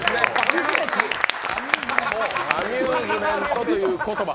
アミューズメントという言葉